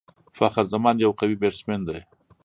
فخر زمان یو قوي بيټسمېن دئ.